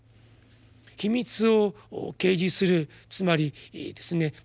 「秘密を啓示」するつまりですね